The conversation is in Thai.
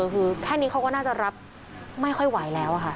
คือแค่นี้เขาก็น่าจะรับไม่ค่อยไหวแล้วค่ะ